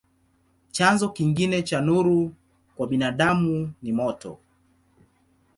Chanzo kingine cha nuru kwa binadamu ni moto.